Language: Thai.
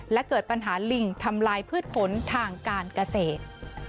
และเกิดปัญหาลิงทำลายพืชผลทางการเกษตร